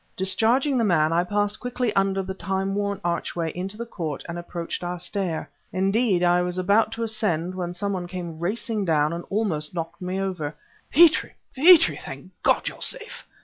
Discharging the man, I passed quickly under the time worn archway into the court and approached our stair. Indeed, I was about to ascend when some one came racing down and almost knocked me over. "Petrie! Petrie! Thank God you're safe!"